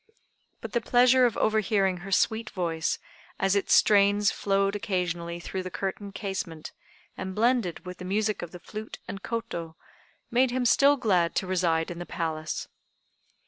But the pleasure of overhearing her sweet voice, as its strains flowed occasionally through the curtained casement, and blended with the music of the flute and koto, made him still glad to reside in the Palace.